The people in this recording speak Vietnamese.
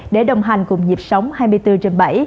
để đồng hành cùng nhịp sống hai mươi bốn trên bảy